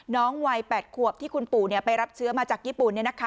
น้องวัยแปดขวบที่คุณปู่เนี่ยไปรับเชื้อมาจากญี่ปุ่นเนี่ยนะคะ